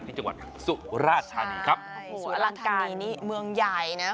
ที่จังหวัดสุราชธานีครับสุราชธานีนี่เมืองใหญ่นะ